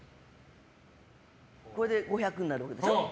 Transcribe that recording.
これで５００になるわけでしょ。